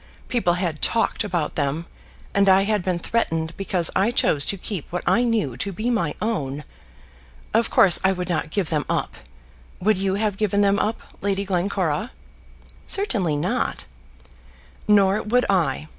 People had talked about them, and I had been threatened because I chose to keep what I knew to be my own. Of course, I would not give them up. Would you have given them up, Lady Glencora?" "Certainly not." "Nor would I.